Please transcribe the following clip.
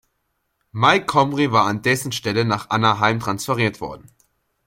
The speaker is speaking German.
Mike Comrie wäre an dessen Stelle nach Anaheim transferiert worden.